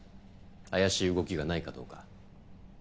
怪しい動きがないかどうか。